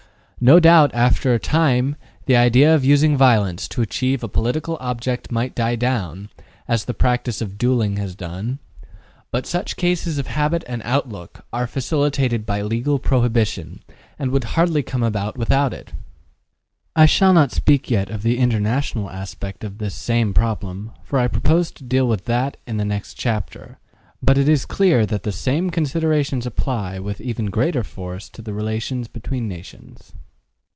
No doubt, after a time, the idea of using violence to achieve a political object might die down, as the practice of duelling has done. But such changes of habit and outlook are facilitated by legal prohibition, and would hardly come about without it. I shall not speak yet of the international aspect of this same problem, for I propose to deal with that in the next chapter, but it is clear that the same considerations apply with even greater force to the relations between nations.